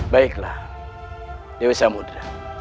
baiklah dewi samudera